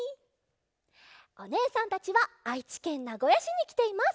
おねえさんたちはあいちけんなごやしにきています。